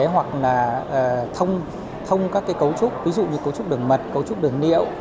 hoặc là thông các cấu trúc ví dụ như cấu trúc đường mật cấu trúc đường niệu